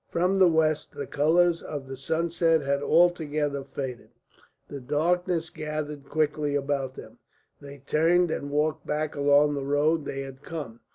From the west the colours of the sunset had altogether faded, the darkness gathered quickly about them. They turned and walked back along the road they had come.